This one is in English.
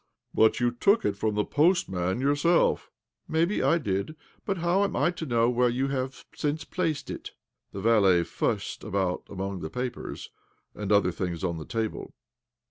" But you took it from the postman yourself? "" Maybe I did, but how am I to know where you have since placed it?" The valet fussed about among the papers and other things on the table.